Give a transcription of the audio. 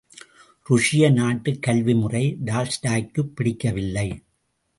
ருஷ்ய நாட்டுக் கல்விமுறை டால்ஸ்டாய்க்குப் பிடிக்கவில்லை.